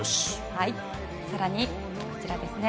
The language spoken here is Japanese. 更にこちらですね。